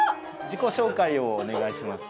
自己紹介をお願いします。